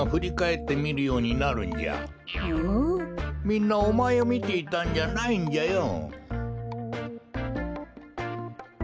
みんなおまえをみていたんじゃないんじゃよ。